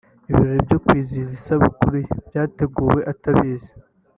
Ibirori byo kwizihiza isabukuru ye byateguwe atabizi